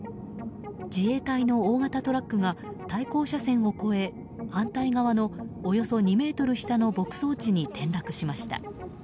自衛隊の大型トラックが対向車線を越え反対側のおよそ２ｍ下の牧草地に転落しました。